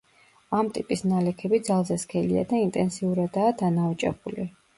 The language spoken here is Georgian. ამ ტიპის ნალექები ძალზე სქელია და ინტენსიურადაა დანაოჭებული.